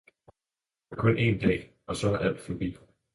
Men kun én dag, og så er alt forbi!